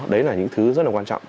đấy là những thứ rất là quan trọng